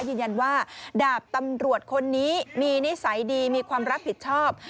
ยืนยันว่าดาบตำรวจคนนี้มีนิสัยดีมีความรับผิดชอบ